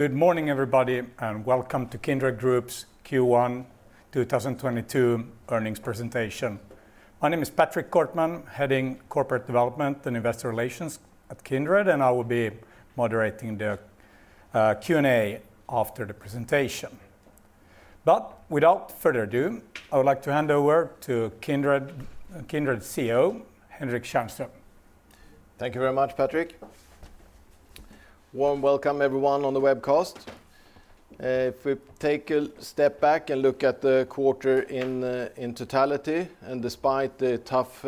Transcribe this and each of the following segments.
Good morning, everybody, and welcome to Kindred Group's Q1 2022 earnings presentation. My name is Patrick Kortman, heading Corporate Development and Investor Relations at Kindred, and I will be moderating the Q&A after the presentation. Without further ado, I would like to hand over to Kindred's CEO, Henrik Tjärnström. Thank you very much, Patrik. Warm welcome everyone on the webcast. If we take a step back and look at the quarter in totality, and despite the tough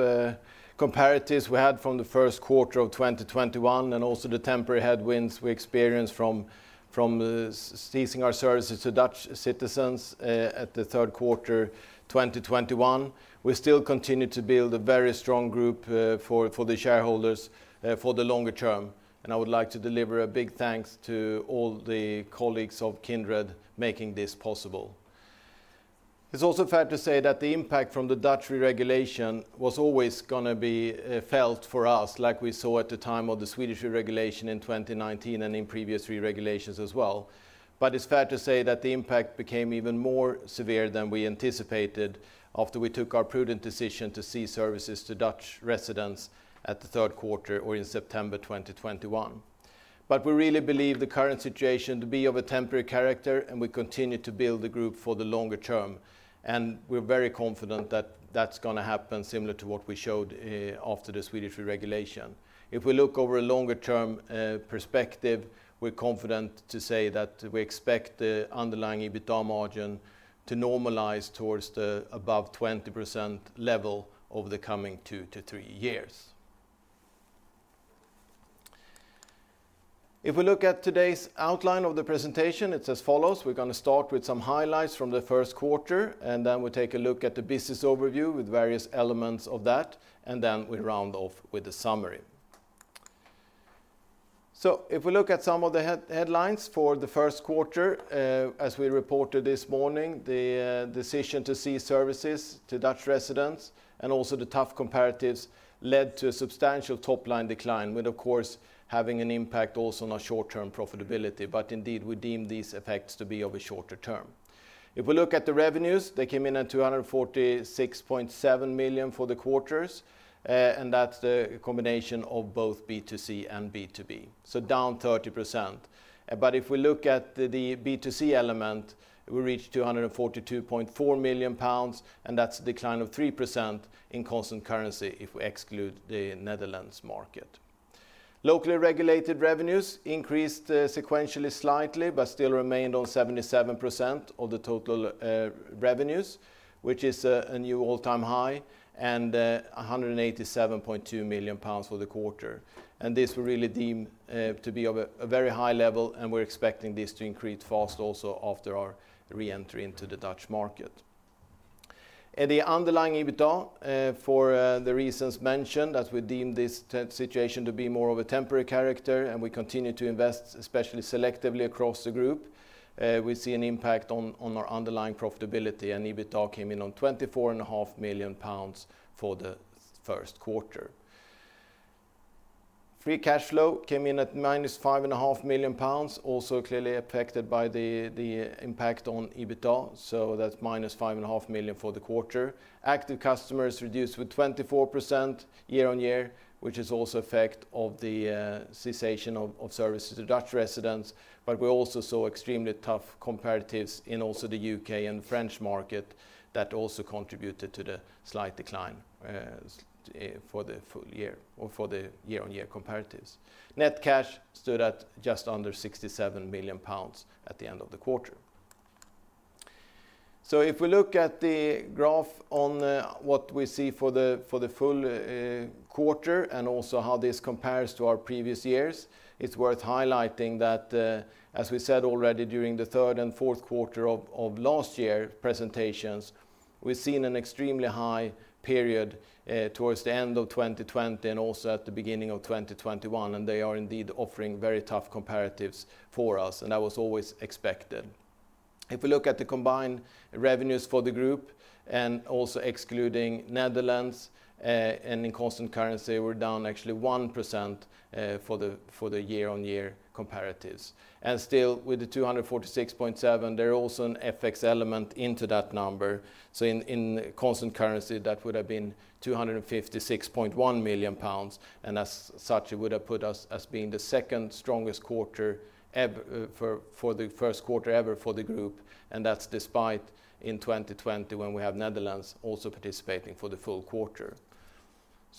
comparatives we had from the first quarter of 2021 and also the temporary headwinds we experienced from ceasing our services to Dutch citizens at the third quarter 2021, we still continue to build a very strong group for the shareholders for the longer term. I would like to deliver a big thanks to all the colleagues of Kindred making this possible. It's also fair to say that the impact from the Dutch reregulation was always gonna be felt for us, like we saw at the time of the Swedish reregulation in 2019 and in previous reregulations as well. It's fair to say that the impact became even more severe than we anticipated after we took our prudent decision to cease services to Dutch residents at the third quarter or in September 2021. We really believe the current situation to be of a temporary character, and we continue to build the group for the longer term. We're very confident that that's gonna happen similar to what we showed after the Swedish re-regulation. If we look over a longer-term perspective, we're confident to say that we expect the underlying EBITDA margin to normalize towards the above 20% level over the coming 2-3 years. If we look at today's outline of the presentation, it's as follows. We're gonna start with some highlights from the first quarter, and then we take a look at the business overview with various elements of that, and then we round off with a summary. If we look at some of the headlines for the first quarter, as we reported this morning, the decision to cease services to Dutch residents and also the tough comparatives led to a substantial top-line decline, with of course, having an impact also on our short-term profitability. Indeed, we deem these effects to be of a shorter term. If we look at the revenues, they came in at 246.7 million for the quarter, and that's the combination of both B2C and B2B. Down 30%. If we look at the B2C element, we reached 242.4 million pounds, and that's a decline of 3% in constant currency if we exclude the Netherlands market. Locally regulated revenues increased sequentially slightly, but still remained at 77% of the total revenues, which is a new all-time high, and 187.2 million pounds for the quarter. This we really deem to be of a very high level, and we're expecting this to increase fast also after our re-entry into the Dutch market. In the underlying EBITDA, for the reasons mentioned, as we deem this situation to be more of a temporary character, and we continue to invest, especially selectively across the group, we see an impact on our underlying profitability, and EBITDA came in at 24.5 Million pounds for the first quarter. Free cash flow came in at minus 5.5million pounds, also clearly affected by the impact on EBITDA. That's minus 5.5 Million for the quarter. Active customers reduced with 24% year-on-year, which is also effect of the cessation of services to Dutch residents. We also saw extremely tough comparatives in the UK and French market that also contributed to the slight decline for the full year or for the year-on-year comparatives. Net cash stood at just under 67 million pounds at the end of the quarter. If we look at the graph on what we see for the full quarter and also how this compares to our previous years, it's worth highlighting that, as we said already during the third and fourth quarter of last year presentations, we've seen an extremely high period towards the end of 2020 and also at the beginning of 2021, and they are indeed offering very tough comparatives for us, and that was always expected. If we look at the combined revenues for the group and also excluding Netherlands and in constant currency, we're down actually 1% for the year-on-year comparatives. Still, with the 246.7, there are also an FX element into that number. In constant currency, that would have been 256.1 million pounds, and as such, it would have put us as being the second strongest quarter for the first quarter ever for the group. That's despite in 2020 when we have Netherlands also participating for the full quarter.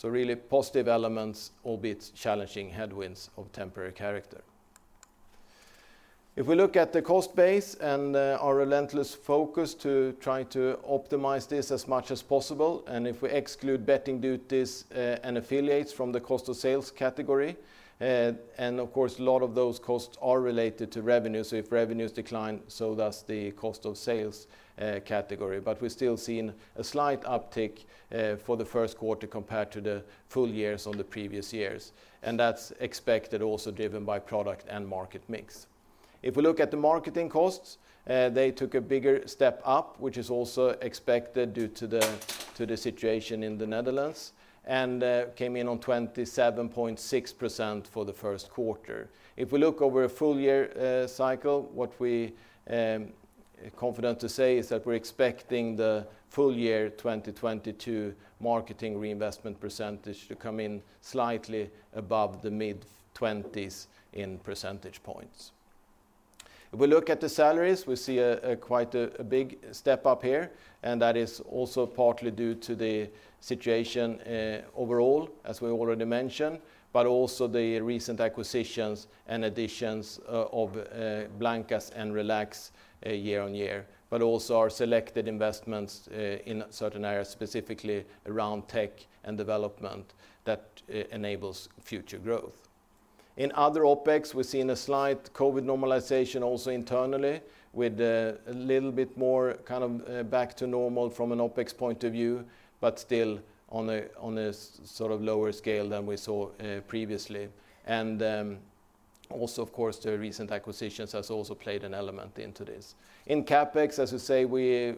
Really positive elements, albeit challenging headwinds of temporary character. If we look at the cost base and our relentless focus to try to optimize this as much as possible, and if we exclude betting duties and affiliates from the cost of sales category, and of course, a lot of those costs are related to revenues. If revenues decline, so does the cost of sales category. But we're still seeing a slight uptick for the first quarter compared to the full years on the previous years. That's expected also driven by product and market mix. If we look at the marketing costs, they took a bigger step up, which is also expected due to the situation in the Netherlands, and came in at 27.6% for the first quarter. If we look over a full year cycle, what we're confident to say is that we're expecting the full year 2022 marketing reinvestment percentage to come in slightly above the mid-20s in percentage points. If we look at the salaries, we see quite a big step up here, and that is also partly due to the situation overall, as we already mentioned, but also the recent acquisitions and additions of Blancas and Relax year on year, but also our selected investments in certain areas, specifically around tech and development that enables future growth. In other OPEX, we're seeing a slight COVID normalization also internally with a little bit more kind of back to normal from an OPEX point of view, but still on a sort of lower scale than we saw previously. Also, of course, the recent acquisitions has also played an element into this. In CapEx, as we say, we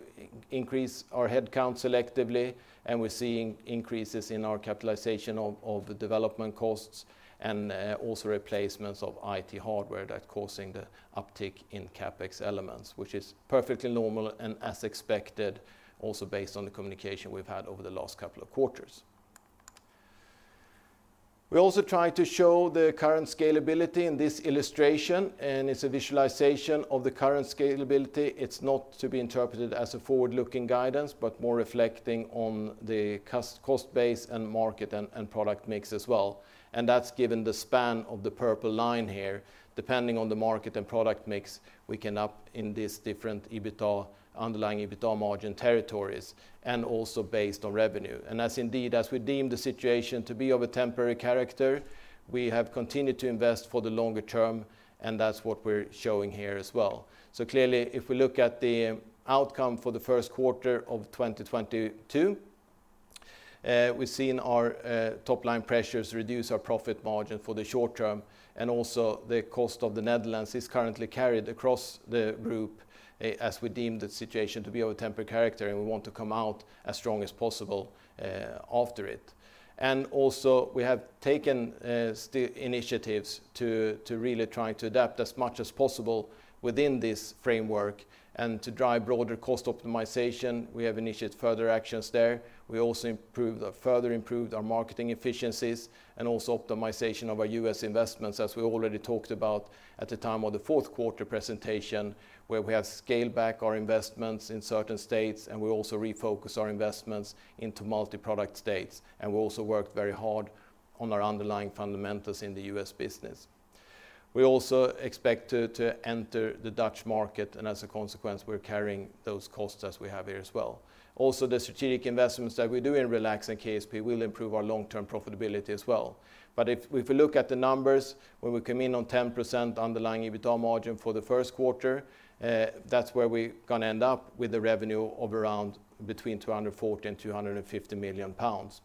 increase our headcount selectively, and we're seeing increases in our capitalization of the development costs and also replacements of IT hardware that's causing the uptick in CapEx elements, which is perfectly normal and as expected, also based on the communication we've had over the last couple of quarters. We also try to show the current scalability in this illustration, and it's a visualization of the current scalability. It's not to be interpreted as a forward-looking guidance, but more reflecting on the cost base and market and product mix as well. That's given the span of the purple line here. Depending on the market and product mix, we can operate in these different underlying EBITDA margin territories, and also based on revenue. As indeed, as we deem the situation to be of a temporary character, we have continued to invest for the longer term, and that's what we're showing here as well. Clearly, if we look at the outcome for the first quarter of 2022, we've seen our top line pressures reduce our profit margin for the short term, and also the cost of the Netherlands is currently carried across the group as we deem the situation to be of a temporary character, and we want to come out as strong as possible after it. We have taken initiatives to really try to adapt as much as possible within this framework and to drive broader cost optimization. We have initiated further actions there. We also further improved our marketing efficiencies and also optimization of our U.S. investments, as we already talked about at the time of the fourth quarter presentation, where we have scaled back our investments in certain states, and we also refocused our investments into multi-product states. We also worked very hard on our underlying fundamentals in the U.S. business. We also expect to enter the Dutch market, and as a consequence, we're carrying those costs as we have here as well. Also, the strategic investments that we do in Relax and KSP will improve our long-term profitability as well. If we look at the numbers, when we come in on 10% underlying EBITDA margin for the first quarter, that's where we're gonna end up with the revenue of around between 240 million and 250 million pounds.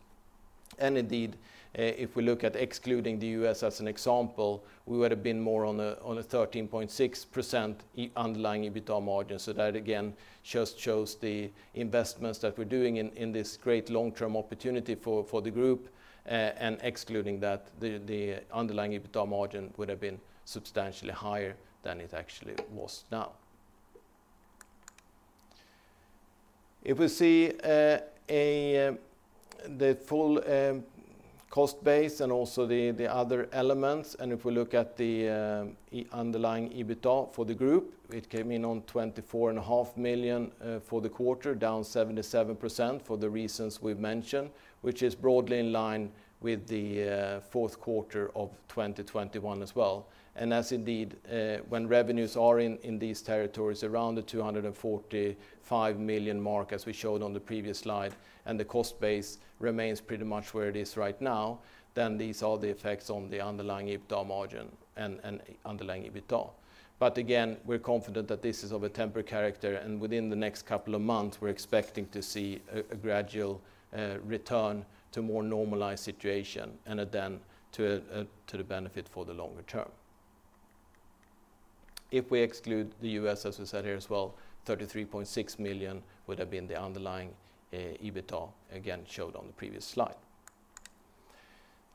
Indeed, if we look at excluding the US as an example, we would have been more on a 13.6% underlying EBITDA margin. That again just shows the investments that we're doing in this great long-term opportunity for the group, and excluding that, the underlying EBITDA margin would have been substantially higher than it actually was now. If we see the full cost base and also the other elements, and if we look at the underlying EBITDA for the group, it came in on 24.5 million for the quarter, down 77% for the reasons we've mentioned, which is broadly in line with the fourth quarter of 2021 as well. When revenues are in these territories, around the 245 million mark, as we showed on the previous slide, and the cost base remains pretty much where it is right now, then these are the effects on the underlying EBITDA margin and underlying EBITDA. But again, we're confident that this is of a temporary character, and within the next couple of months, we're expecting to see a gradual return to more normalized situation and then to the benefit for the longer term. If we exclude the U.S., as we said here as well, 33.6 million would have been the underlying EBITDA, again, shown on the previous slide.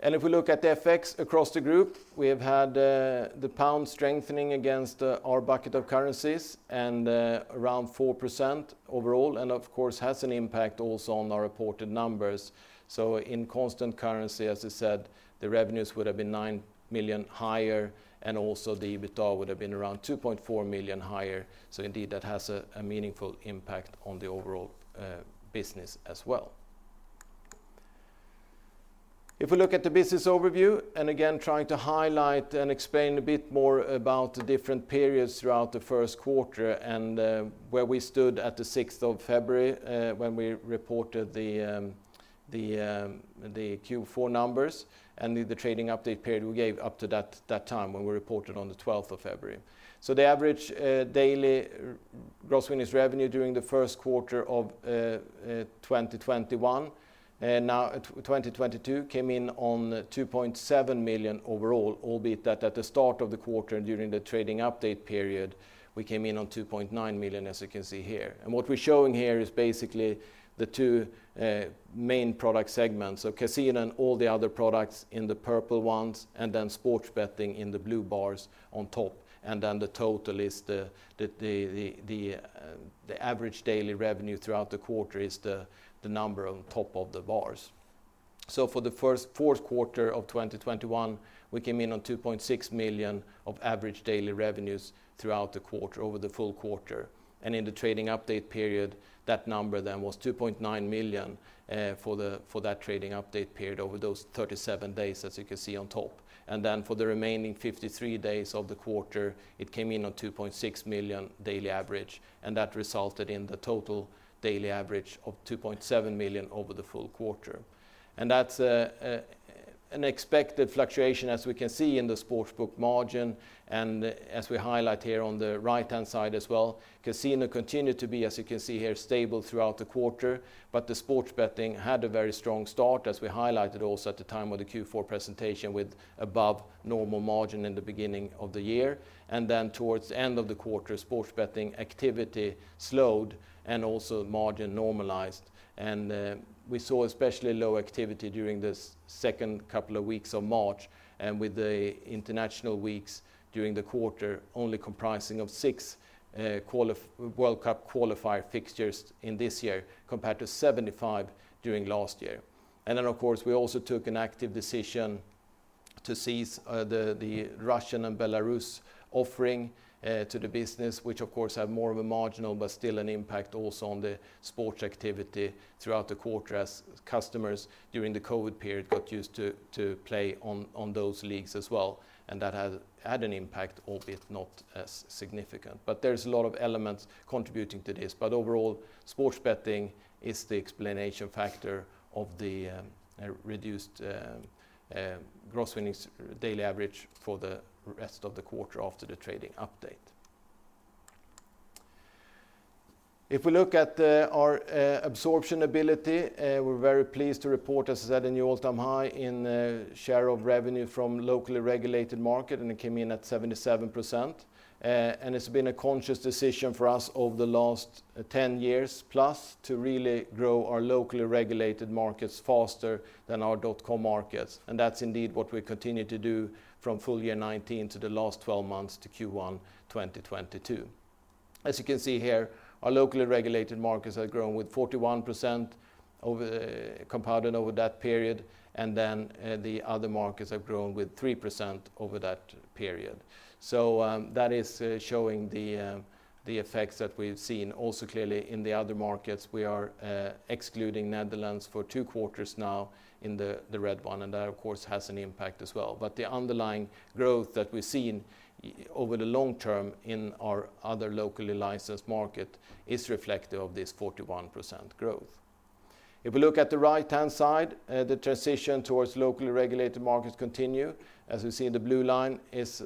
If we look at FX across the group, we have had the pound strengthening against our bucket of currencies and around 4% overall, and of course has an impact also on our reported numbers. In constant currency, as I said, the revenues would have been 9 million higher, and also the EBITDA would have been around 2.4 million higher. Indeed, that has a meaningful impact on the overall business as well. If we look at the business overview, and again, trying to highlight and explain a bit more about the different periods throughout the first quarter and where we stood at the sixth of February, when we reported the Q4 numbers and the trading update period we gave up to that time when we reported on the February 12. The average daily gross winnings revenue during the first quarter of 2021 now 2022 came in on 2.7 million overall, albeit that at the start of the quarter during the trading update period, we came in on 2.9 million, as you can see here. What we're showing here is basically the two main product segments. Casino and all the other products in the purple ones, and then sports betting in the blue bars on top. Then the total is the average daily revenue throughout the quarter is the number on top of the bars. For the fourth quarter of 2021, we came in on 2.6 million of average daily revenues throughout the quarter, over the full quarter. In the trading update period, that number then was 2.9 million for that trading update period over those 37 days, as you can see on top. Then for the remaining 53 days of the quarter, it came in on 2.6 million daily average, and that resulted in the total daily average of 2.7 million over the full quarter. That's an expected fluctuation as we can see in the sportsbook margin, and as we highlight here on the right-hand side as well. Casino continued to be, as you can see here, stable throughout the quarter, but the sports betting had a very strong start, as we highlighted also at the time of the Q4 presentation, with above-normal margin in the beginning of the year. Towards the end of the quarter, sports betting activity slowed and also margin normalized. We saw especially low activity during the second couple of weeks of March and with the international weeks during the quarter only comprising six World Cup qualifier fixtures this year compared to 75 during last year. Of course, we also took an active decision to cease the Russian and Belarus offering to the business, which of course had more of a marginal, but still an impact also on the sports activity throughout the quarter as customers during the COVID period got used to play on those leagues as well. That had an impact, albeit not as significant. There's a lot of elements contributing to this. Overall, sports betting is the explanation factor of the reduced gross winnings daily average for the rest of the quarter after the trading update. If we look at our absorption ability, we're very pleased to report, as I said, a new all-time high in share of revenue from locally regulated market, and it came in at 77%. It's been a conscious decision for us over the last 10 years plus to really grow our locally regulated markets faster than our dot.com markets. That's indeed what we continue to do from full year 2019 to the last 12 months to Q1 2022. As you can see here, our locally regulated markets have grown with 41% compounded over that period. The other markets have grown with 3% over that period. That is showing the effects that we've seen also clearly in the other markets. We are excluding Netherlands for two quarters now in the red one, and that of course has an impact as well. The underlying growth that we've seen over the long term in our other locally licensed market is reflective of this 41% growth. If we look at the right-hand side, the transition towards locally regulated markets continue. As we see, the blue line is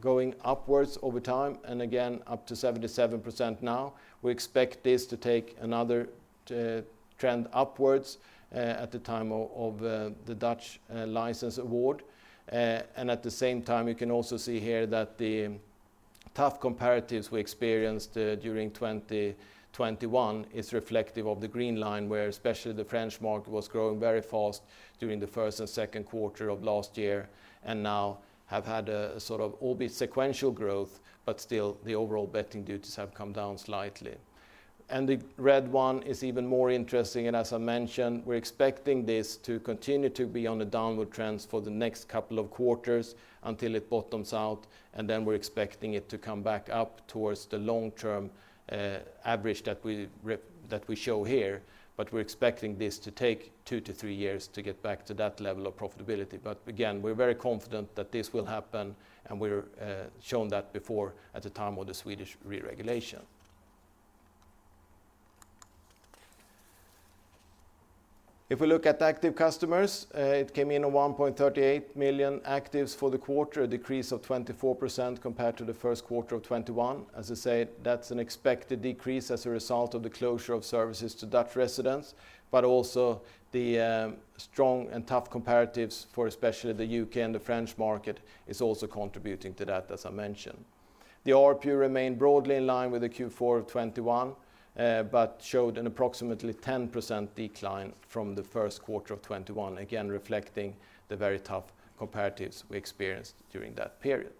going upwards over time, and again, up to 77% now. We expect this to take another trend upwards at the time of the Dutch license award. At the same time, you can also see here that the tough comparatives we experienced during 2021 is reflective of the green line, where especially the French market was growing very fast during the first and second quarter of last year, and now have had a sort of albeit sequential growth, but still the overall betting duties have come down slightly. The red one is even more interesting. As I mentioned, we're expecting this to continue to be on a downward trends for the next couple of quarters until it bottoms out. Then we're expecting it to come back up towards the long-term average that we show here. We're expecting this to take 2-3 years to get back to that level of profitability. Again, we're very confident that this will happen, and we're shown that before at the time of the Swedish re-regulation. If we look at active customers, it came in at 1.38 million actives for the quarter, a decrease of 24% compared to the first quarter of 2021. As I said, that's an expected decrease as a result of the closure of services to Dutch residents, but also the strong and tough comparatives for especially the UK and the French market is also contributing to that, as I mentioned. The RPU remained broadly in line with the Q4 of 2021, but showed an approximately 10% decline from the first quarter of 2021, again reflecting the very tough comparatives we experienced during that period.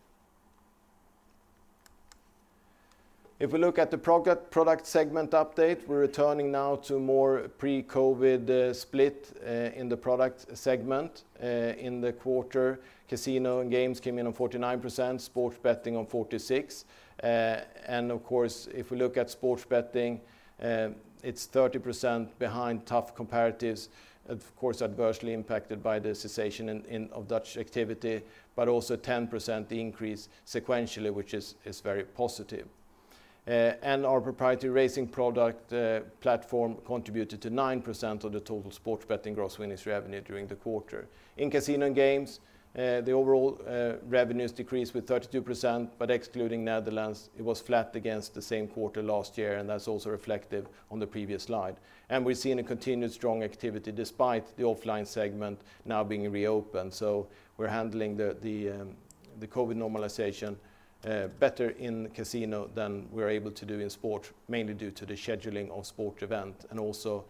If we look at the product segment update, we're returning now to more pre-COVID split in the product segment. In the quarter, casino and games came in on 49%, sports betting on 46%. Of course, if we look at sports betting, it's 30% behind tough comparatives, of course, adversely impacted by the cessation of Dutch activity, but also 10% increase sequentially, which is very positive. Our proprietary racing product platform contributed to 9% of the total sports betting gross winnings revenue during the quarter. In casino and games, the overall revenues decreased with 32%, but excluding Netherlands, it was flat against the same quarter last year, and that's also reflected on the previous slide. We're seeing a continued strong activity despite the offline segment now being reopened. We're handling the COVID normalization better in casino than we're able to do in sport, mainly due to the scheduling of sporting event. Also,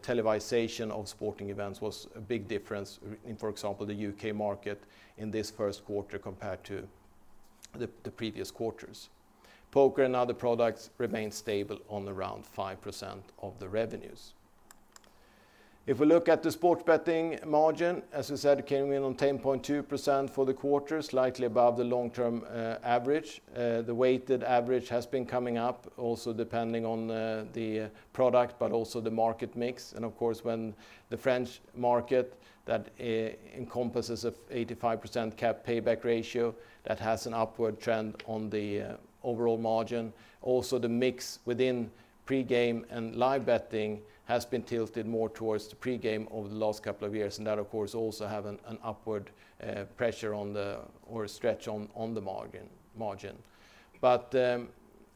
televising of sporting events was a big difference in, for example, the UK market in this first quarter compared to the previous quarters. Poker and other products remain stable on around 5% of the revenues. If we look at the sports betting margin, as we said, it came in on 10.2% for the quarter, slightly above the long-term average. The weighted average has been coming up also depending on the product, but also the market mix. Of course, when the French market that encompasses of 85% cap payback ratio, that has an upward trend on the overall margin. The mix within pre-game and live betting has been tilted more towards the pre-game over the last couple of years, and that of course also have an upward pressure on the margin or a stretch on the margin.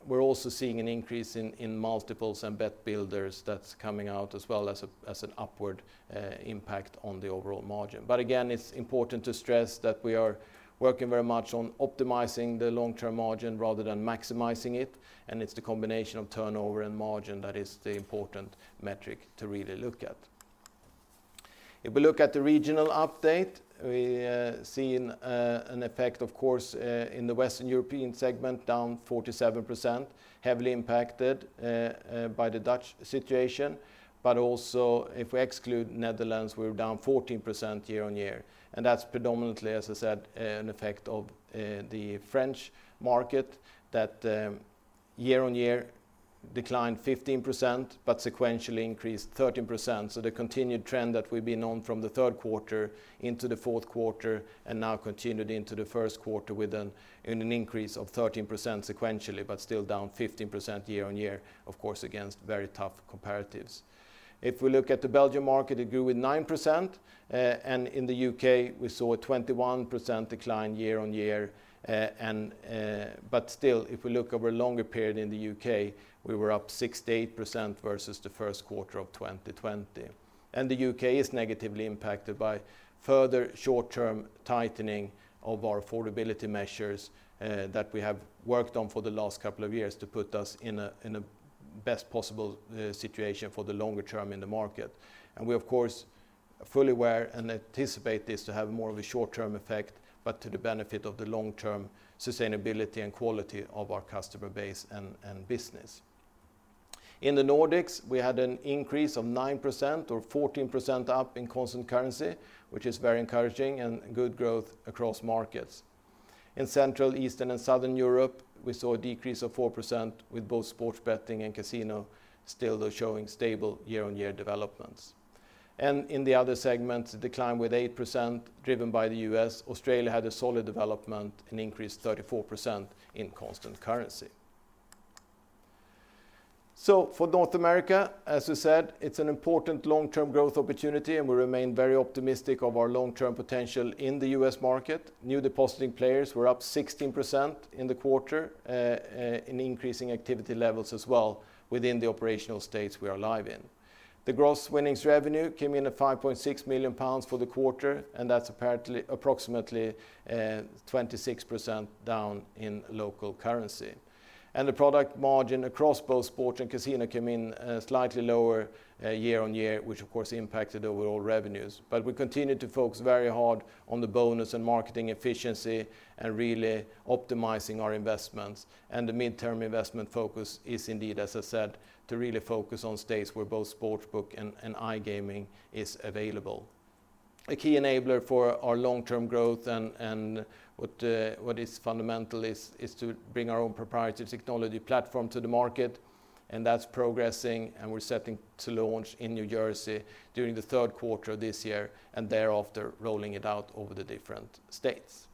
We're also seeing an increase in multiples and bet builders that's coming out as well as an upward impact on the overall margin. Again, it's important to stress that we are working very much on optimizing the long-term margin rather than maximizing it, and it's the combination of turnover and margin that is the important metric to really look at. If we look at the regional update, we seen an effect, of course, in the Western European segment, down 47%, heavily impacted by the Dutch situation. Also, if we exclude Netherlands, we're down 14% year-on-year. That's predominantly, as I said, an effect of the French market that year-on-year declined 15%, but sequentially increased 13%. The continued trend that we've been on from the third quarter into the fourth quarter and now continued into the first quarter with an increase of 13% sequentially, but still down 15% year-on-year, of course, against very tough comparatives. If we look at the Belgian market, it grew with 9%, and in the UK, we saw a 21% decline year-on-year. If we look over a longer period in the UK, we were up 68% versus the first quarter of 2020. The UK is negatively impacted by further short-term tightening of our affordability measures that we have worked on for the last couple of years to put us in a best possible situation for the longer term in the market. We, of course, are fully aware and anticipate this to have more of a short-term effect, but to the benefit of the long-term sustainability and quality of our customer base and business. In the Nordics, we had an increase of 9% or 14% up in constant currency, which is very encouraging and good growth across markets. In Central, Eastern, and Southern Europe, we saw a decrease of 4% with both sports betting and casino still though showing stable year-on-year developments. In the Other segment, decline with 8% driven by the US. Australia had a solid development and increased 34% in constant currency. For North America, as we said, it's an important long-term growth opportunity, and we remain very optimistic of our long-term potential in the US market. New depositing players were up 16% in the quarter, in increasing activity levels as well within the operational states we are live in. The gross winnings revenue came in at 5.6 million pounds for the quarter, and that's approximately 26% down in local currency. The product margin across both sport and casino came in slightly lower year-on-year, which of course impacted overall revenues. We continue to focus very hard on the bonus and marketing efficiency and really optimizing our investments. The midterm investment focus is indeed, as I said, to really focus on states where both sportsbook and iGaming is available. A key enabler for our long-term growth and what is fundamental is to bring our own proprietary technology platform to the market, and that's progressing, and we're set to launch in New Jersey during the third quarter of this year, and thereafter, rolling it out over the different states.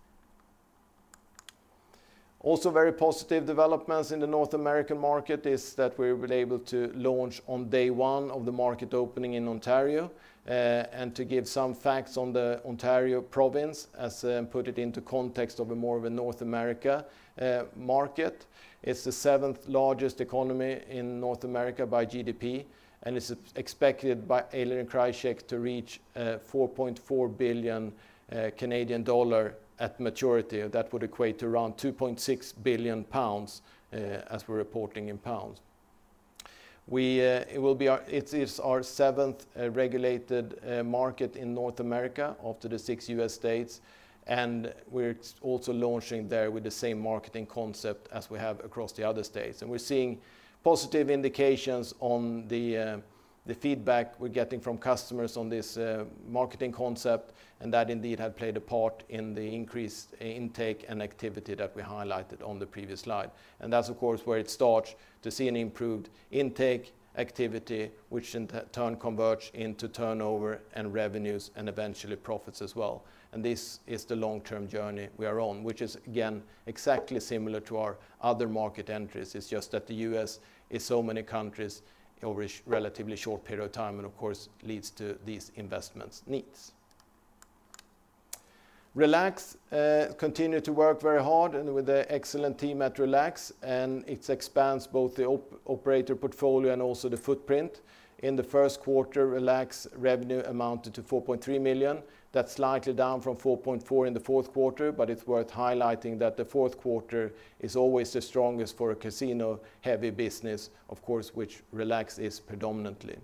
Also, very positive developments in the North American market is that we've been able to launch on day one of the market opening in Ontario, and to give some facts on the Ontario province as put it into context of more of a North American market. It's the seventh-largest economy in North America by GDP, and it's expected by Eilers & Krejcik to reach 4.4 billion Canadian dollar at maturity. That would equate to around 2.6 billion pounds as we're reporting in pounds. It is our seventh regulated market in North America after the 6 US states. We're also launching there with the same marketing concept as we have across the other states. We're seeing positive indications on the feedback we're getting from customers on this marketing concept, and that indeed have played a part in the increased intake and activity that we highlighted on the previous slide. That's of course where it starts to see an improved intake activity, which in turn converts into turnover and revenues, and eventually profits as well. This is the long-term journey we are on, which is again, exactly similar to our other market entries. It's just that the US is so many countries over a relatively short period of time, and of course leads to these investments needs. Relax continue to work very hard and with the excellent team at Relax, and it expands both the operator portfolio and also the footprint. In the first quarter, Relax revenue amounted to 4.3 million. That's slightly down from 4.4 million in the fourth quarter, but it's worth highlighting that the fourth quarter is always the strongest for a casino-heavy business, of course, which Relax is predominantly.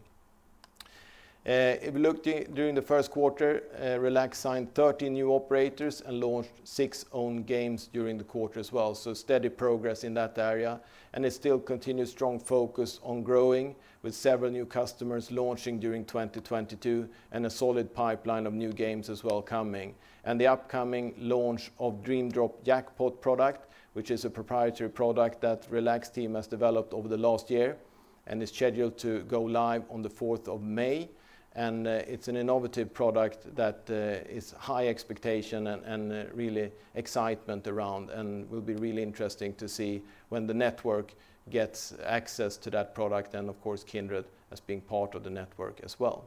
If we looked during the first quarter, Relax signed 30 new operators and launched six own games during the quarter as well. Steady progress in that area, and it still continued strong focus on growing with several new customers launching during 2022, and a solid pipeline of new games as well coming. The upcoming launch of Dream Drop jackpot product, which is a proprietary product that Relax team has developed over the last year and is scheduled to go live on the fourth of May. It's an innovative product that is high expectation and really excitement around, and will be really interesting to see when the network gets access to that product, and of course, Kindred as being part of the network as well.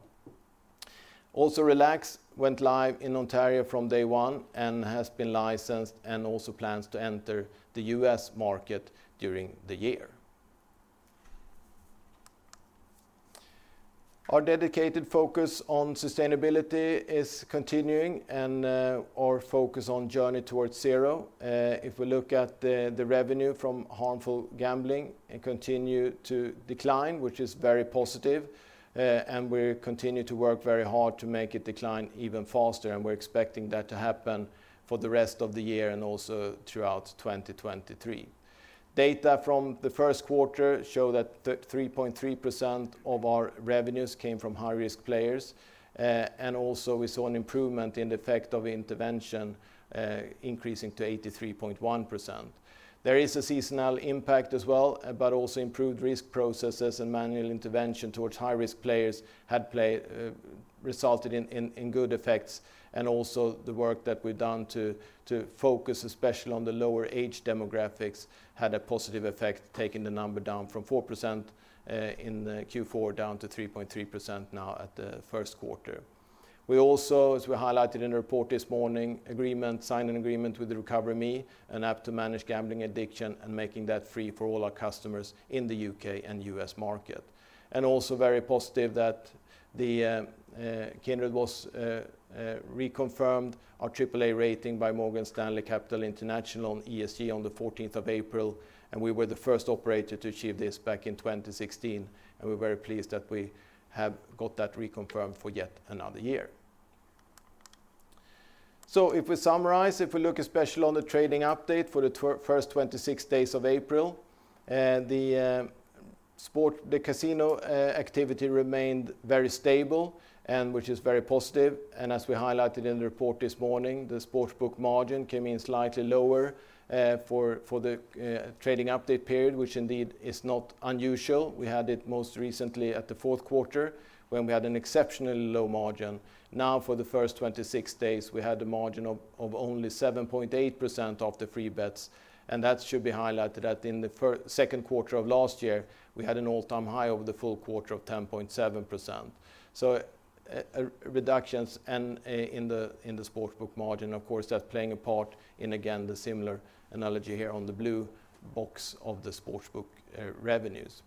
Also, Relax went live in Ontario from day one and has been licensed and also plans to enter the U.S. market during the year. Our dedicated focus on sustainability is continuing and our focus on journey towards zero. If we look at the revenue from harmful gambling, it continues to decline, which is very positive. We continue to work very hard to make it decline even faster, and we're expecting that to happen for the rest of the year and also throughout 2023. Data from the first quarter show that 3.3% of our revenues came from high-risk players. We also saw an improvement in the effect of intervention, increasing to 83.1%. There is a seasonal impact as well, but also improved risk processes and manual intervention towards high-risk players resulted in good effects. Also the work that we've done to focus, especially on the lower age demographics, had a positive effect, taking the number down from 4% in Q4 down to 3.3% now at the first quarter. We also, as we highlighted in the report this morning, signed an agreement with the RecoverMe, an app to manage gambling addiction, and making that free for all our customers in the UK and US market. Also very positive that the Kindred was reconfirmed our AAA rating by Morgan Stanley Capital International on ESG on the fourteenth of April. We were the first operator to achieve this back in 2016, and we're very pleased that we have got that reconfirmed for yet another year. If we summarize, if we look especially on the trading update for the first 26 days of April, the casino activity remained very stable and which is very positive. As we highlighted in the report this morning, the Sportsbook margin came in slightly lower for the trading update period, which indeed is not unusual. We had it most recently at the fourth quarter when we had an exceptionally low margin. Now for the first 26 days, we had a margin of only 7.8% of the free bets, and that should be highlighted that in the second quarter of last year, we had an all-time high over the full quarter of 10.7%. Reductions in the Sportsbook margin, of course, that's playing a part in, again, the similar analogy here on the blue box of the Sportsbook revenues.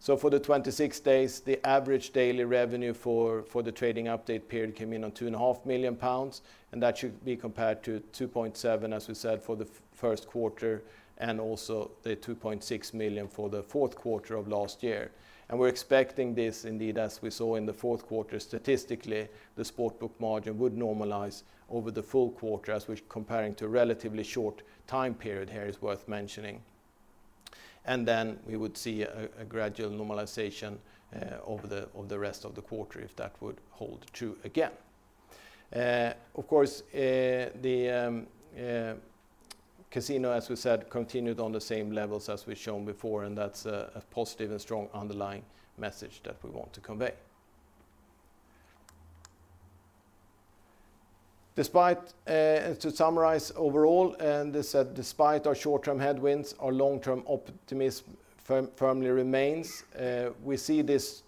For the 26 days, the average daily revenue for the trading update period came in on 2.5 million pounds, and that should be compared to 2.7, as we said, for the first quarter, and also the 2.6 million for the fourth quarter of last year. We're expecting this indeed, as we saw in the fourth quarter, statistically, the Sportsbook margin would normalize over the full quarter as we're comparing to a relatively short time period here is worth mentioning. We would see a gradual normalization over the rest of the quarter if that would hold true again. Of course, the casino, as we said, continued on the same levels as we've shown before, and that's a positive and strong underlying message that we want to convey. Despite, to summarize overall, and as said, despite our short-term headwinds, our long-term optimism firmly remains. We see these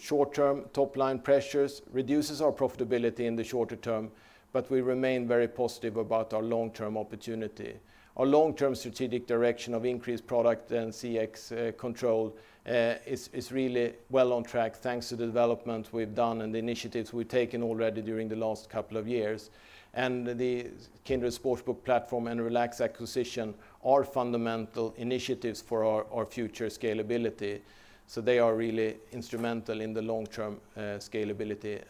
short-term top-line pressures reduces our profitability in the shorter term, but we remain very positive about our long-term opportunity. Our long-term strategic direction of increased product and CX control is really well on track, thanks to the development we've done and the initiatives we've taken already during the last couple of years. The Kindred Sportsbook Platform and Relax acquisition are fundamental initiatives for our future scalability. They are really instrumental in the long-term scalability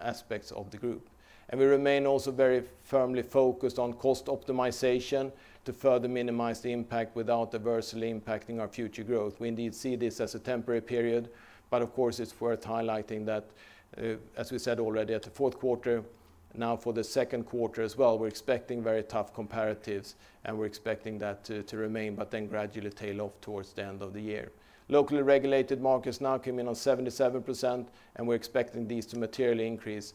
aspects of the group. We remain also very firmly focused on cost optimization to further minimize the impact without adversely impacting our future growth. We indeed see this as a temporary period, but of course, it's worth highlighting that, as we said already at the fourth quarter, now for the second quarter as well, we're expecting very tough comparatives, and we're expecting that to remain, but then gradually tail off towards the end of the year. Locally regulated markets now came in on 77%, and we're expecting these to materially increase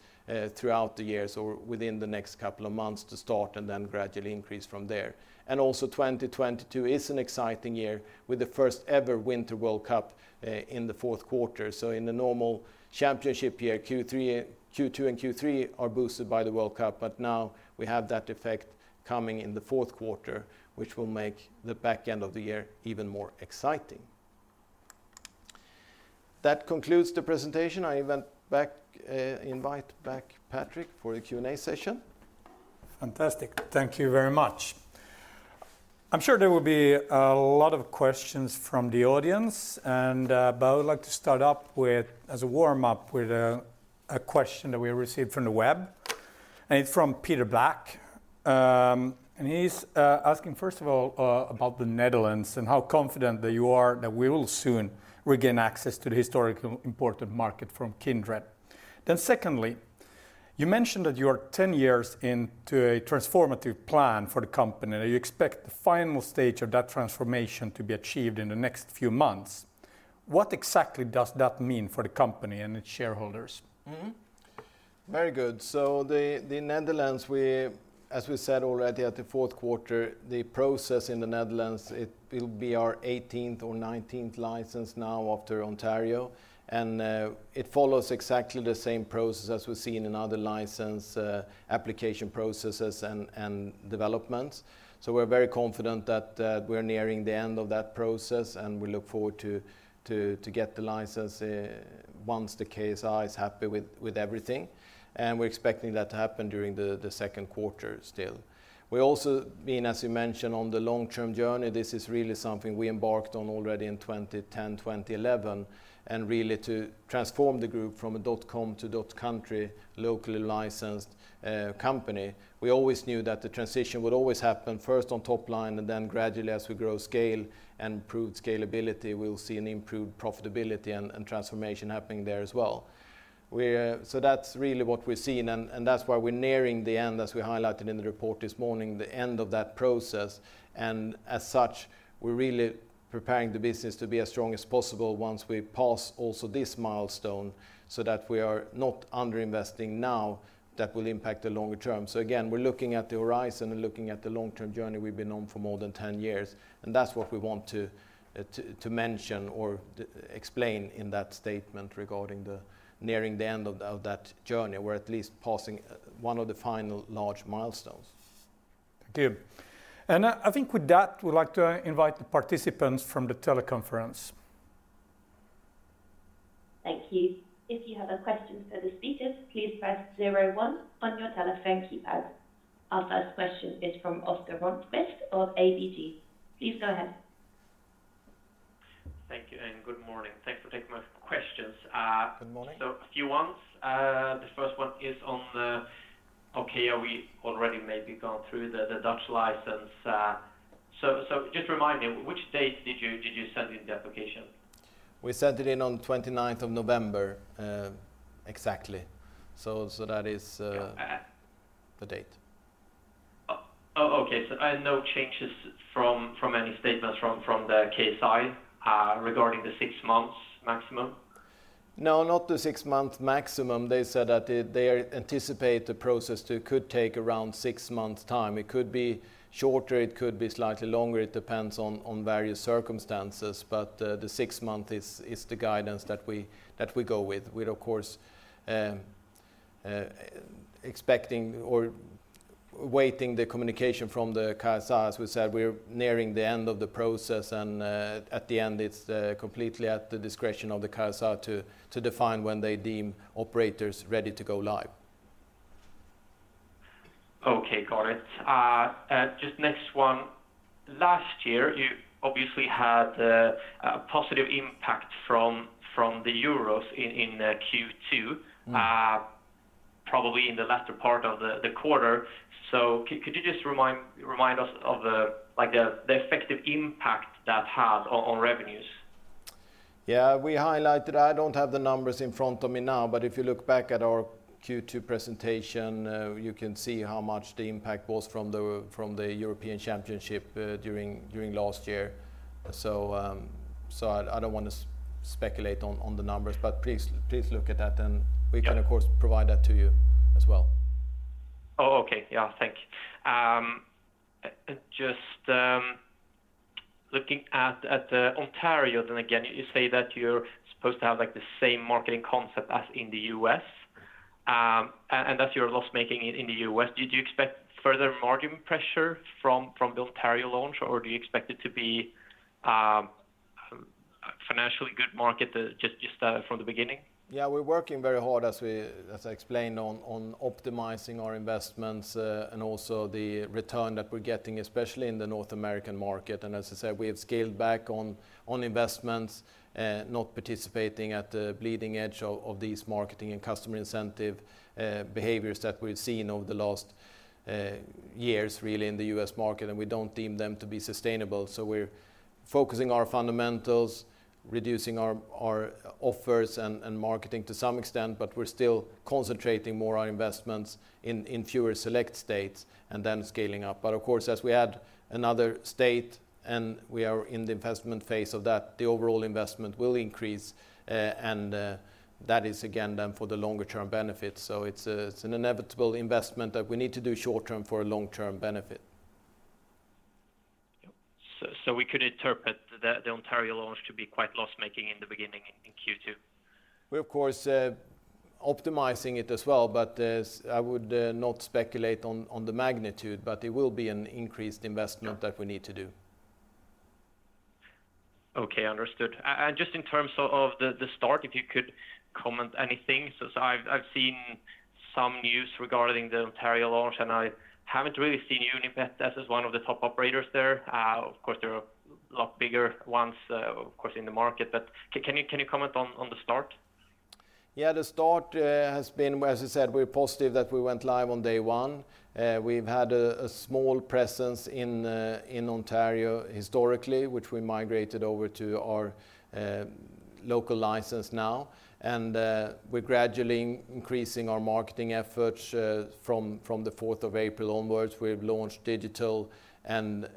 throughout the year, so within the next couple of months to start and then gradually increase from there. 2022 is an exciting year with the first-ever Winter World Cup in the fourth quarter. In a normal championship year, Q2 and Q3 are boosted by the World Cup, but now we have that effect coming in the fourth quarter, which will make the back end of the year even more exciting. That concludes the presentation. I invite back Patrick Kortman for the Q&A session. Fantastic. Thank you very much. I'm sure there will be a lot of questions from the audience, but I would like to start up with as a warm-up with a question that we received from the web, and it's from Peter Black. He's asking, first of all, about the Netherlands and how confident that you are that we will soon regain access to the historically important market from Kindred. Secondly, you mentioned that you are 10 years into a transformative plan for the company. You expect the final stage of that transformation to be achieved in the next few months. What exactly does that mean for the company and its shareholders? The Netherlands, as we said already at the fourth quarter, the process in the Netherlands, it will be our eighteenth or nineteenth license now after Ontario. It follows exactly the same process as we see in another license application processes and developments. We're very confident that we're nearing the end of that process, and we look forward to get the license once the KSA is happy with everything. We're expecting that to happen during the second quarter still. We've also been, as you mentioned, on the long-term journey. This is really something we embarked on already in 2010, 2011, and really to transform the group from a dotcom to dotcountry locally licensed company. We always knew that the transition would always happen first on top line, and then gradually, as we grow scale and improved scalability, we'll see an improved profitability and transformation happening there as well. That's really what we're seeing, and that's why we're nearing the end, as we highlighted in the report this morning, the end of that process. As such, we're really preparing the business to be as strong as possible once we pass also this milestone so that we are not underinvesting now that will impact the longer term. Again, we're looking at the horizon and looking at the long-term journey we've been on for more than 10 years, and that's what we want to mention or explain in that statement regarding nearing the end of that journey. We're at least passing 1 of the final large milestones. Thank you. I think with that, we'd like to invite the participants from the teleconference. Thank you. If you have a question for the speakers, please press zero one on your telephone keypad. Our first question is from Oscar Rönnkvist of ABG. Please go ahead. Thank you, and good morning. Thanks for taking my questions. Good morning. A few ones. The first one is. Okay, we already maybe gone through the Dutch license. Just remind me, which date did you send in the application? We sent it in on 29 of November, exactly. That is Okay. the date. Okay. No changes from any statements from the KSA regarding the six months maximum? No, not the six-month maximum. They said that they anticipate the process could take around six months time. It could be shorter. It could be slightly longer. It depends on various circumstances. The six months is the guidance that we go with. We're, of course, expecting or waiting the communication from the KSA. As we said, we're nearing the end of the process, and at the end, it's completely at the discretion of the KSA to define when they deem operators ready to go live. Okay, got it. Just next one. Last year, you obviously had a positive impact from the Euros in Q2. Mm. Probably in the latter part of the quarter. Could you just remind us of, like the effective impact that had on revenues? Yeah, we highlighted. I don't have the numbers in front of me now, but if you look back at our Q2 presentation, you can see how much the impact was from the European Championship during last year. I don't want to speculate on the numbers, but please look at that. We can, of course, provide that to you as well. Oh, okay. Yeah. Thank you. Just looking at Ontario then again, you say that you're supposed to have, like, the same marketing concept as in the US, and that's your loss-making in the US. Did you expect further margin pressure from the Ontario launch, or do you expect it to be financially good market just from the beginning? Yeah, we're working very hard, as I explained, on optimizing our investments, and also the return that we're getting, especially in the North American market. As I said, we have scaled back on investments, not participating at the bleeding edge of these marketing and customer incentive behaviors that we've seen over the last years really in the US market, and we don't deem them to be sustainable. We're focusing our fundamentals, reducing our offers and marketing to some extent, but we're still concentrating more our investments in fewer select states and then scaling up. Of course, as we add another state, and we are in the investment phase of that, the overall investment will increase, and that is again then for the longer term benefit. It's an inevitable investment that we need to do short-term for a long-term benefit. Yep. We could interpret the Ontario launch to be quite loss-making in the beginning in Q2. We're of course optimizing it as well, but I would not speculate on the magnitude, but it will be an increased investment that we need to do. Okay, understood. Just in terms of the start, if you could comment anything. I've seen some news regarding the Ontario launch, and I haven't really seen Unibet as one of the top operators there. Of course, there are a lot bigger ones, of course, in the market. Can you comment on the start? Yeah, the start has been as I said, we're positive that we went live on day one. We've had a small presence in Ontario historically, which we migrated over to our local license now. We're gradually increasing our marketing efforts from the fourth of April onwards. We've launched digital and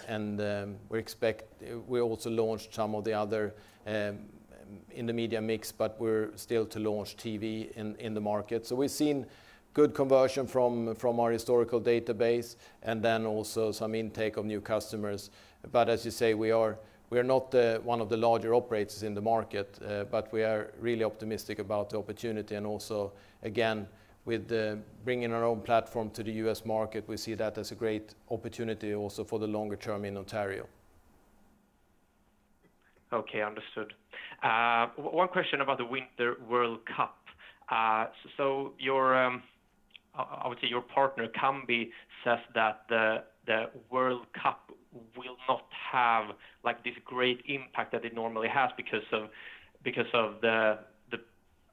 we expect. We also launched some of the other in the media mix, but we're still to launch TV in the market. We've seen good conversion from our historical database and then also some intake of new customers. As you say, we are not one of the larger operators in the market, but we are really optimistic about the opportunity. Also, again, with bringing our own platform to the U.S. market, we see that as a great opportunity also for the longer term in Ontario. Okay, understood. One question about the Winter World Cup. Obviously, your partner Kambi says that the World Cup will not have, like, this great impact that it normally has because of the,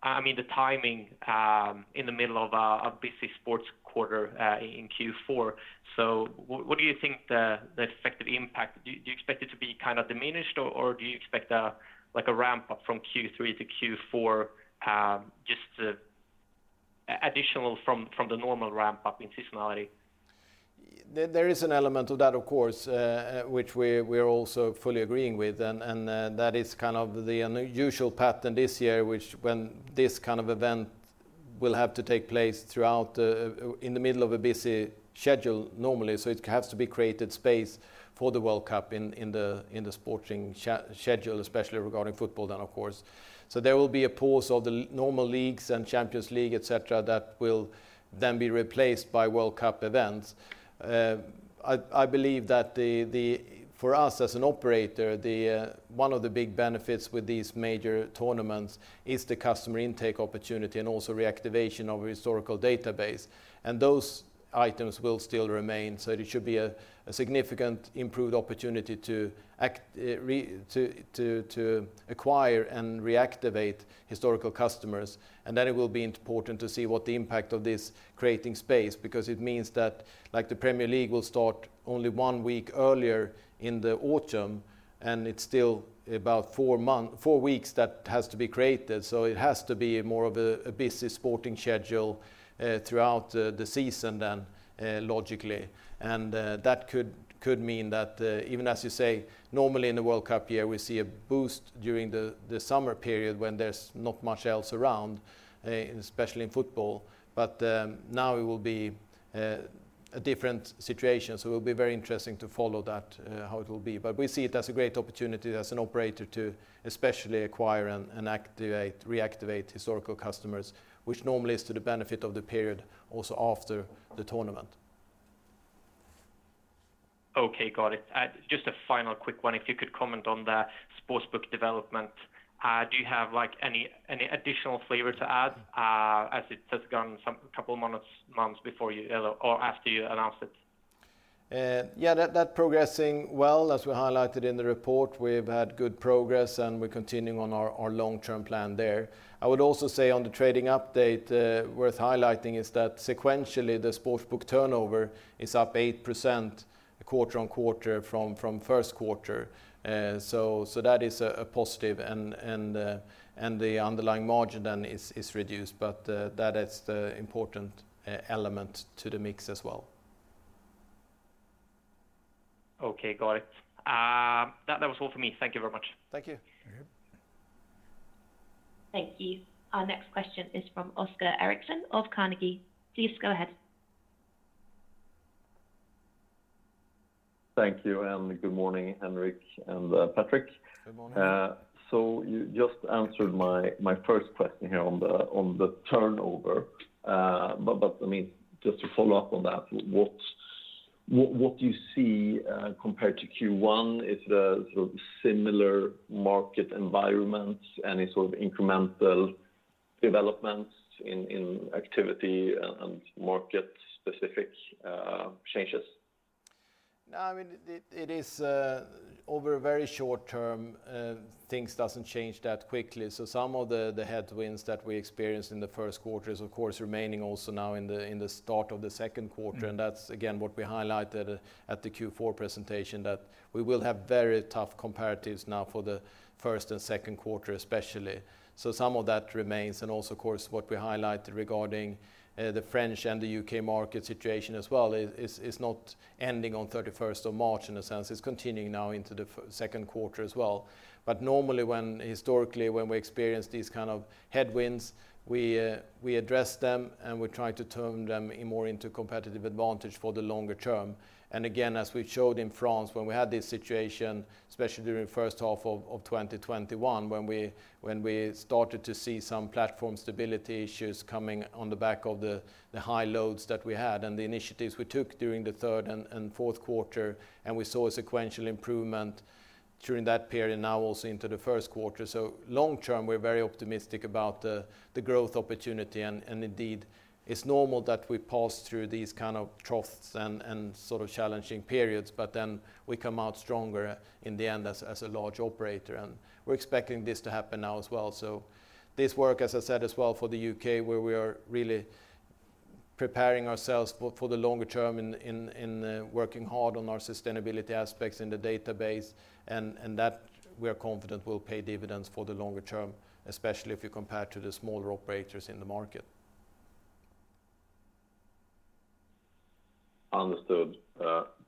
I mean, the timing in the middle of a busy sports quarter in Q4. What do you think the effective impact, do you expect it to be kind of diminished or do you expect, like, a ramp-up from Q3 to Q4, just additional from the normal ramp-up in seasonality? There is an element of that, of course, which we're also fully agreeing with. That is kind of the unusual pattern this year, which when this kind of event will have to take place throughout, in the middle of a busy schedule normally. It has to be created space for the World Cup in the sporting schedule, especially regarding football then, of course. There will be a pause of the normal leagues and Champions League, et cetera, that will then be replaced by World Cup events. I believe that for us as an operator, one of the big benefits with these major tournaments is the customer intake opportunity and also reactivation of historical database. Those items will still remain. It should be a significantly improved opportunity to attract and reactivate historical customers. Then it will be important to see what the impact of this creating space, because it means that, like, the Premier League will start only one week earlier in the autumn, and it's still about four weeks that has to be created. It has to be more of a busy sporting schedule throughout the season then, logically. That could mean that even as you say, normally in the World Cup year, we see a boost during the summer period when there's not much else around, especially in football. But now it will be a different situation. It will be very interesting to follow that, how it will be. We see it as a great opportunity as an operator to especially acquire and activate, reactivate historical customers, which normally is to the benefit of the period also after the tournament. Okay, got it. Just a final quick one. If you could comment on the sportsbook development? Do you have, like, any additional flavor to add, as it has gone some couple months before you, or after you announced it? Yeah, that progressing well. As we highlighted in the report, we've had good progress, and we're continuing on our long-term plan there. I would also say on the trading update, worth highlighting is that sequentially, the sports book turnover is up 8% quarter-on-quarter from first quarter. So that is a positive and the underlying margin then is reduced. That is the important element to the mix as well. Okay, got it. That was all for me. Thank you very much. Thank you. Thank you. Thank you. Our next question is from Oskar Eriksson of Carnegie. Please go ahead. Thank you, and good morning, Henrik and Patrik. Good morning. You just answered my first question here on the turnover. I mean, just to follow up on that, what do you see compared to Q1? Is it sort of similar market environments, any sort of incremental developments in activity and market-specific changes? No, I mean, it is over a very short term, things doesn't change that quickly. Some of the headwinds that we experienced in the first quarter is of course remaining also now in the start of the second quarter. That's again what we highlighted at the Q4 presentation, that we will have very tough comparatives now for the first and second quarter especially. Some of that remains. Also of course, what we highlighted regarding the French and the UK market situation as well is not ending on thirty-first of March, in a sense. It's continuing now into the second quarter as well. Normally, when historically, we experience these kind of headwinds, we address them, and we try to turn them more into competitive advantage for the longer term. Again, as we showed in France, when we had this situation, especially during first half of 2021, when we started to see some platform stability issues coming on the back of the high loads that we had and the initiatives we took during the third and fourth quarter, and we saw a sequential improvement during that period, now also into the first quarter. Long term, we're very optimistic about the growth opportunity. Indeed, it's normal that we pass through these kind of troughs and sort of challenging periods, but then we come out stronger in the end as a large operator. We're expecting this to happen now as well. This work, as I said as well for the UK, where we are really preparing ourselves for the longer term, working hard on our sustainability aspects in the business, and that we are confident will pay dividends for the longer term, especially if you compare to the smaller operators in the market. Understood.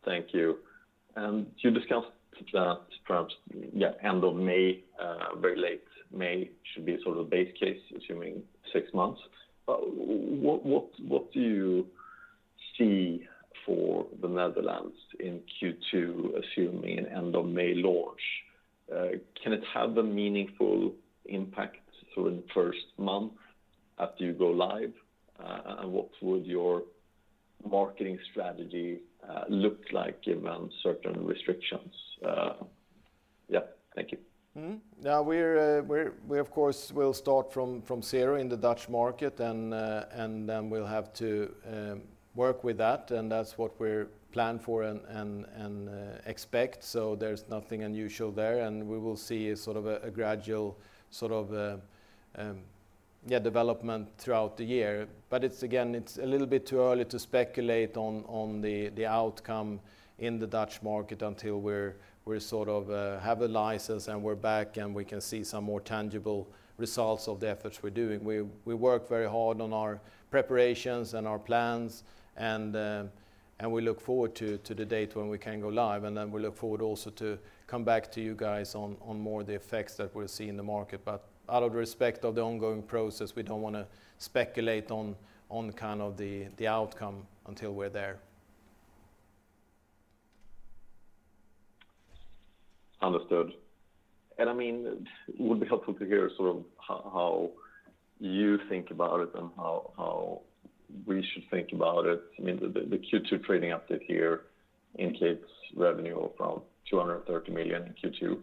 Thank you. You discussed that perhaps, yeah, end of May, very late May should be sort of base case, assuming six months. What do you see for the Netherlands in Q2, assuming an end of May launch? Can it have a meaningful impact through the first month after you go live? What would your marketing strategy look like given certain restrictions? Yeah. Thank you. We of course will start from zero in the Dutch market and then we'll have to work with that, and that's what we're planned for and expect. There's nothing unusual there. We will see a gradual development throughout the year. It's a little bit too early to speculate on the outcome in the Dutch market until we have a license and we're back and we can see some more tangible results of the efforts we're doing. We work very hard on our preparations and our plans and we look forward to the date when we can go live. We look forward also to come back to you guys on more of the effects that we'll see in the market. Out of respect of the ongoing process, we don't want to speculate on kind of the outcome until we're there. Understood. I mean, it would be helpful to hear sort of how you think about it and how we should think about it. I mean, the Q2 trading update here indicates revenue of around 230 million in Q2.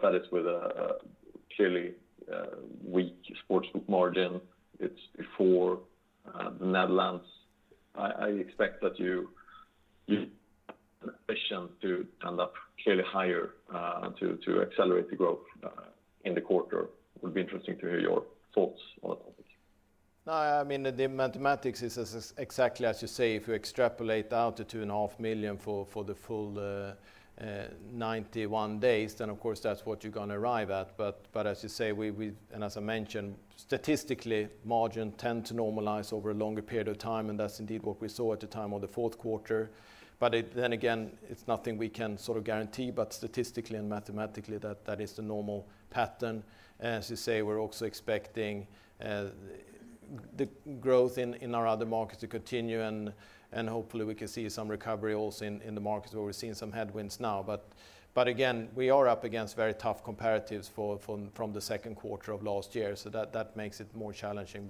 That is with a clearly weak sports margin. It's before the Netherlands. I expect that you have ambition to end up clearly higher to accelerate the growth in the quarter. It would be interesting to hear your thoughts on it. No, I mean, the mathematics is exactly as you say. If you extrapolate out to 2.5 million for the full 91 days, then of course that's what you're gonna arrive at. As you say, we and as I mentioned, statistically margins tend to normalize over a longer period of time, and that's indeed what we saw at the time of the fourth quarter. It, then again, it's nothing we can sort of guarantee, but statistically and mathematically, that is the normal pattern. As you say, we're also expecting the growth in our other markets to continue and hopefully we can see some recovery also in the markets where we're seeing some headwinds now. Again, we are up against very tough comparatives from the second quarter of last year, so that makes it more challenging.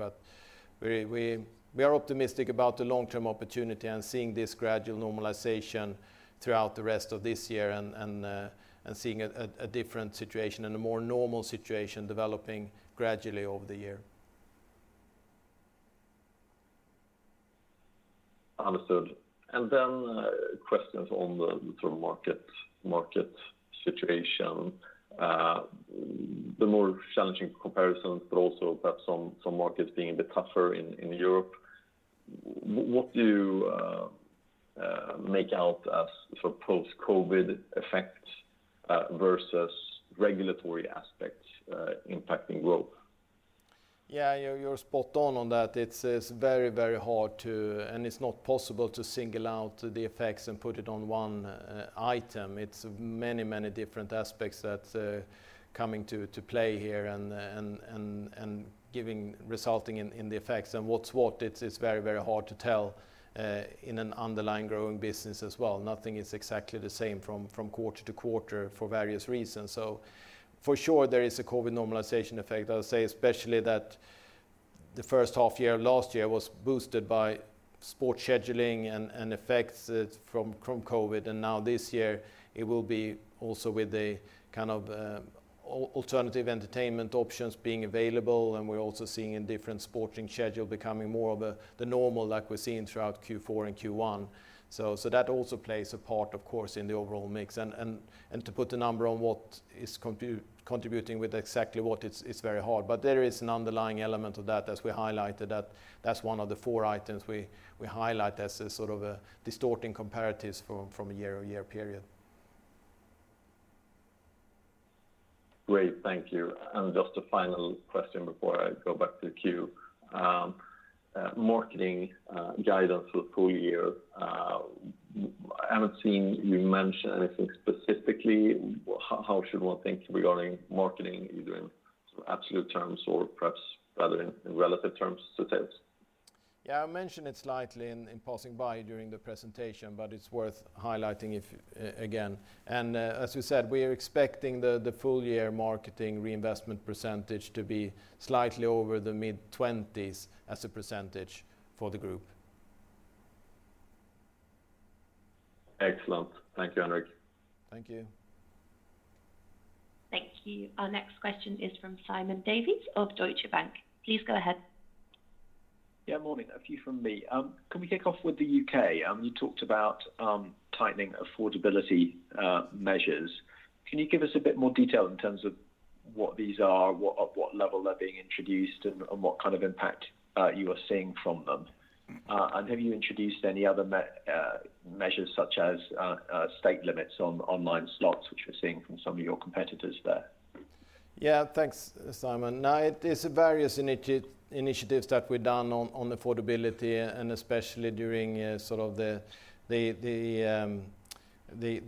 We are optimistic about the long-term opportunity and seeing this gradual normalization throughout the rest of this year and seeing a different situation and a more normal situation developing gradually over the year. Understood. Questions on the sort of market situation. The more challenging comparisons, but also perhaps some markets being a bit tougher in Europe. What do you make out as sort of post-COVID effects versus regulatory aspects impacting growth? Yeah, you're spot on on that. It's very hard to, and it's not possible to single out the effects and put it on one item. It's many different aspects that come into play here and resulting in the effects. It's very hard to tell in an underlying growing business as well. Nothing is exactly the same from quarter to quarter for various reasons. For sure, there is a COVID normalization effect. I'll say especially that the first half year of last year was boosted by sports scheduling and effects from COVID. Now this year it will be also with the kind of alternative entertainment options being available. We're also seeing a different sporting schedule becoming more of the normal like we're seeing throughout Q4 and Q1. That also plays a part, of course, in the overall mix. To put a number on what is contributing with exactly what, it's very hard. There is an underlying element of that, as we highlighted, that's one of the four items we highlight as a sort of a distorting comparatives from a year-over-year period. Great. Thank you. Just a final question before I go back to the queue. Marketing guidance for the full year. I haven't seen you mention anything specifically. How should one think regarding marketing, either in absolute terms or perhaps rather in relative terms to sales? Yeah, I mentioned it slightly in passing during the presentation, but it's worth highlighting again. As you said, we are expecting the full year marketing reinvestment percentage to be slightly over the mid-20s as a percentage for the group. Excellent. Thank you, Henrik. Thank you. Thank you. Our next question is from Simon Davies of Deutsche Bank. Please go ahead. Yeah, morning. A few from me. Can we kick off with the UK? You talked about tightening affordability measures. Can you give us a bit more detail in terms of what these are, what, at what level they're being introduced, and what kind of impact you are seeing from them. And have you introduced any other measures such as stake limits on online slots, which we're seeing from some of your competitors there? Yeah, thanks, Simon. Now, it is various initiatives that we've done on affordability, and especially during sort of the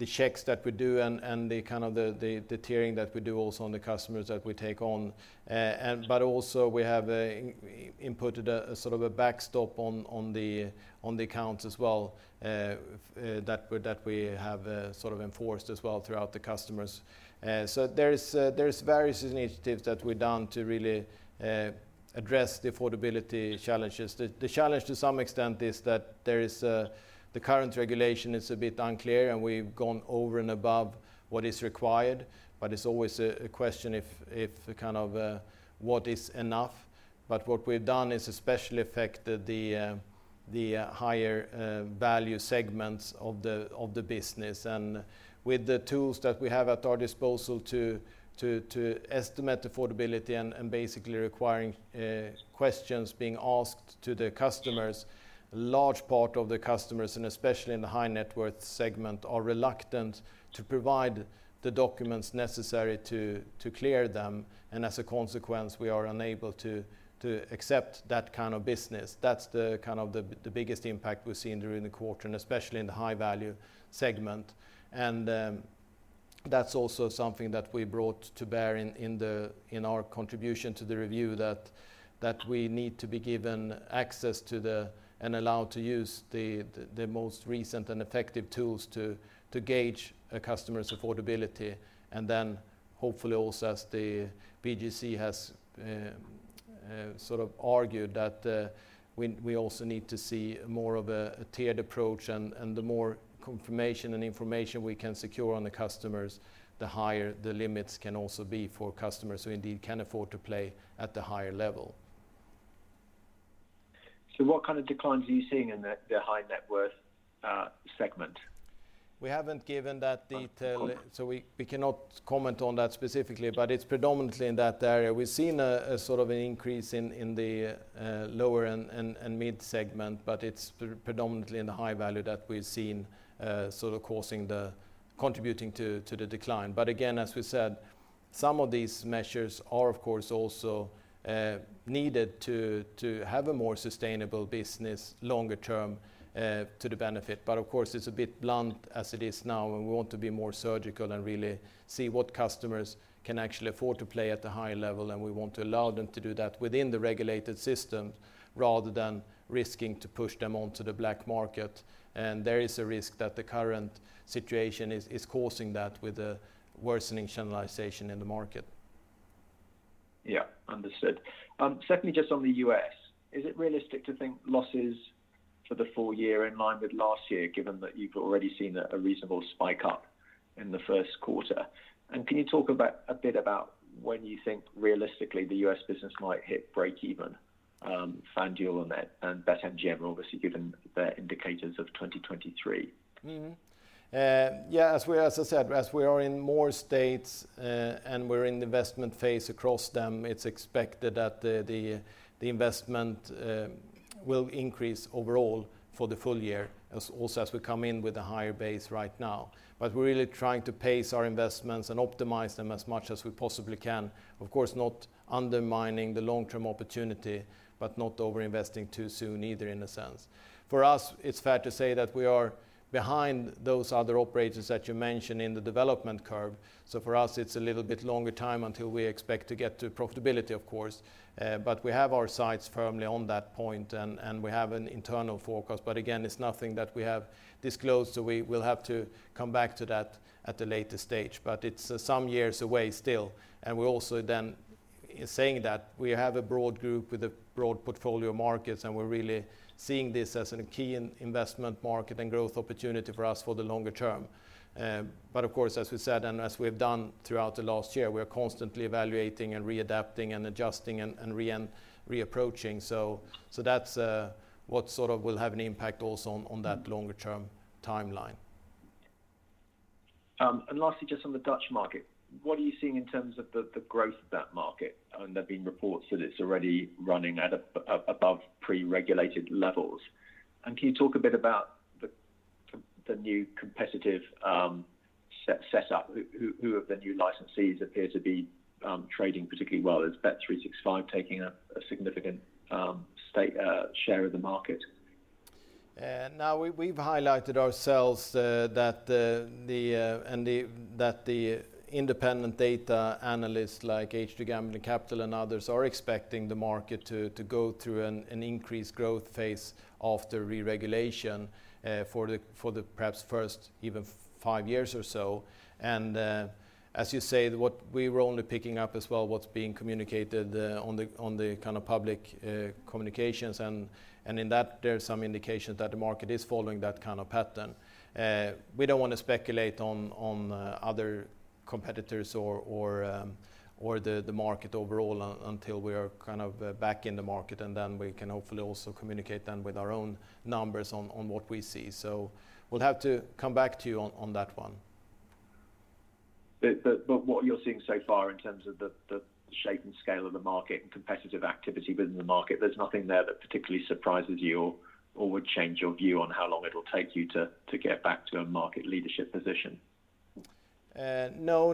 checks that we do and the kind of tiering that we do also on the customers that we take on. But also we have input a sort of backstop on the accounts as well that we have sort of enforced as well throughout the customers. So there is various initiatives that we've done to really address the affordability challenges. The challenge to some extent is that the current regulation is a bit unclear, and we've gone over and above what is required. It's always a question if kind of what is enough. What we've done is especially affected the higher value segments of the business. With the tools that we have at our disposal to estimate affordability and basically requiring questions being asked to the customers, large part of the customers, and especially in the high net worth segment, are reluctant to provide the documents necessary to clear them. As a consequence, we are unable to accept that kind of business. That's the kind of the biggest impact we've seen during the quarter and especially in the high-value segment. That's also something that we brought to bear in our contribution to the review that we need to be given access to the and allowed to use the most recent and effective tools to gauge a customer's affordability. Hopefully also as the BGC has sort of argued that we also need to see more of a tiered approach and the more confirmation and information we can secure on the customers, the higher the limits can also be for customers who indeed can afford to play at the higher level. What kind of declines are you seeing in the high net worth segment? We haven't given that detail, so we cannot comment on that specifically, but it's predominantly in that area. We've seen a sort of an increase in the lower and mid segment, but it's predominantly in the high value that we've seen sort of contributing to the decline. Again, as we said, some of these measures are of course also needed to have a more sustainable business longer term to the benefit. Of course, it's a bit blunt as it is now, and we want to be more surgical and really see what customers can actually afford to play at a higher level, and we want to allow them to do that within the regulated system rather than risking to push them onto the black market. There is a risk that the current situation is causing that with the worsening channelization in the market. Yeah. Understood. Secondly, just on the US. Is it realistic to think losses for the full year in line with last year, given that you've already seen a reasonable spike up in the first quarter? Can you talk a bit about when you think realistically the US business might hit breakeven, FanDuel on that and BetMGM, obviously, given their indicators of 2023? Yeah, as I said, as we are in more states, and we're in the investment phase across them, it's expected that the investment will increase overall for the full year also as we come in with a higher base right now. But we're really trying to pace our investments and optimize them as much as we possibly can. Of course, not undermining the long-term opportunity, but not over-investing too soon either in a sense. For us, it's fair to say that we are behind those other operators that you mentioned in the development curve. For us, it's a little bit longer time until we expect to get to profitability, of course. But we have our sights firmly on that point and we have an internal forecast. Again, it's nothing that we have disclosed, so we will have to come back to that at a later stage. It's some years away still. We're also then saying that we have a broad group with a broad portfolio of markets, and we're really seeing this as a key investment market and growth opportunity for us for the longer term. Of course, as we said, and as we've done throughout the last year, we are constantly evaluating and readapting and adjusting and reapproaching. That's what sort of will have an impact also on that longer term timeline. Lastly, just on the Dutch market, what are you seeing in terms of the growth of that market? There've been reports that it's already running above pre-regulated levels. Can you talk a bit about the new competitive setup? Who of the new licensees appear to be trading particularly well? Is bet365 taking a significant share of the market? Now we've highlighted ourselves that the independent data analysts like H2 Gambling Capital and others are expecting the market to go through an increased growth phase after re-regulation for the perhaps first five years or so. As you say, what we were only picking up as well, what's being communicated on the kind of public communications and in that, there are some indications that the market is following that kind of pattern. We don't want to speculate on other competitors or the market overall until we are kind of back in the market, and then we can hopefully also communicate then with our own numbers on what we see. We'll have to come back to you on that one. What you're seeing so far in terms of the shape and scale of the market and competitive activity within the market, there's nothing there that particularly surprises you or would change your view on how long it'll take you to get back to a market leadership position? No,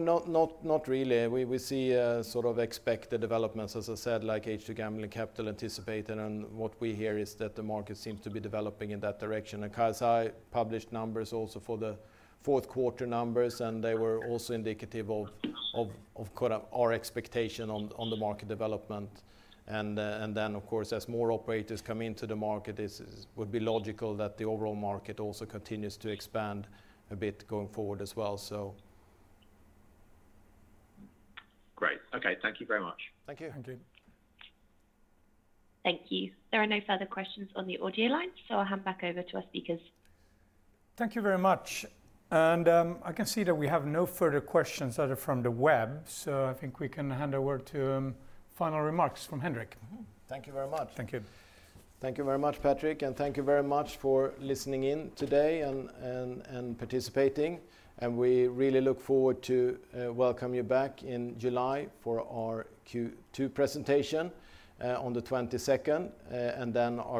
not really. We see sort of expected developments, as I said, like H2 Gambling Capital anticipated, and what we hear is that the market seems to be developing in that direction. KSA published numbers also for the fourth quarter numbers, and they were also indicative of course, our expectation on the market development. Then of course, as more operators come into the market, this would be logical that the overall market also continues to expand a bit going forward as well. Great. Okay. Thank you very much. Thank you. Thank you. Thank you. There are no further questions on the audio line, so I'll hand back over to our speakers. Thank you very much. I can see that we have no further questions that are from the web, so I think we can hand over to final remarks from Henrik. Thank you very much. Thank you. Thank you very much, Patrik, and thank you very much for listening in today and participating. We really look forward to welcome you back in July for our Q2 presentation on the twenty-second. Our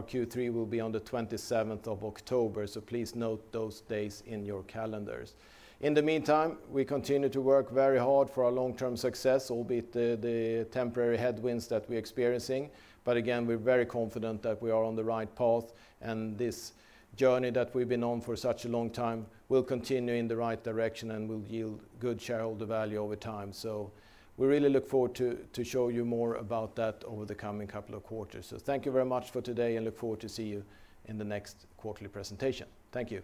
Q3 will be on the twenty-seventh of October. Please note those days in your calendars. In the meantime, we continue to work very hard for our long-term success, albeit the temporary headwinds that we're experiencing. Again, we're very confident that we are on the right path, and this journey that we've been on for such a long time will continue in the right direction and will yield good shareholder value over time. We really look forward to show you more about that over the coming couple of quarters. Thank you very much for today, and look forward to see you in the next quarterly presentation. Thank you.